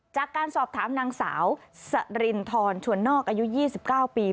จากการสอบถามนางสาวสรินทรชวนนอกอายุ๒๙ปี